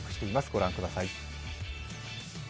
ご覧ください。